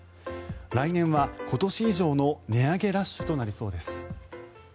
来年は今年以上の値上げラッシュとなりそうです。